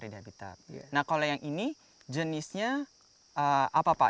nah kalau yang ini jenisnya apa pak